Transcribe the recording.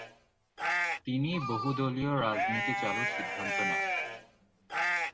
তিনি বহুদলীয় রাজনীতি চালুর সিদ্ধান্ত নেন।